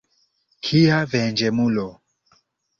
Kia venĝemulo!